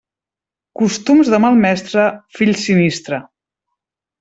Costums de mal mestre, fill sinistre.